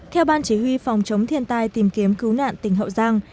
theo ban chỉ huy phòng chống thiên tai tìm kiếm cứu nạn tỉnh hậu giang